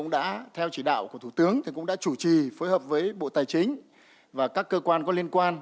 các doanh nghiệp cũng đã chủ trì phối hợp với bộ tài chính và các cơ quan có liên quan